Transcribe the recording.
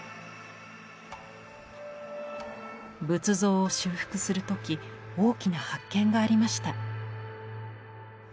仏像を修復する時大きな発見がありました。